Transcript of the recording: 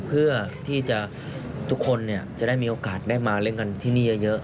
เพื่อที่จะทุกคนจะได้มีโอกาสได้มาเล่นกันที่นี่เยอะ